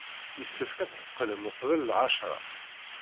Yessefk ad d-teqqlem uqbel lɛecṛa.